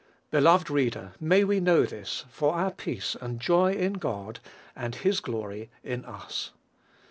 Beloved reader, may we know this, for our peace and joy in God and his glory in us.